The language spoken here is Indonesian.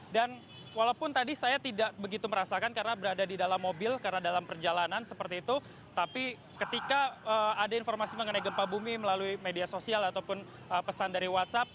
dan walaupun tadi saya tidak begitu merasakan karena berada di dalam mobil karena dalam perjalanan seperti itu tapi ketika ada informasi mengenai gempa bumi melalui media sosial ataupun pesan dari whatsapp